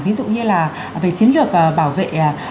ví dụ như là về chiến lược bảo vệ